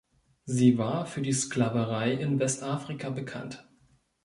Sie war für die Sklaverei in Westafrika bekannt.